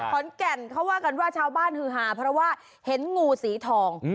ขอนแก่นเขาว่ากันว่าชาวบ้านฮือหาเพราะว่าเห็นงูสีทอง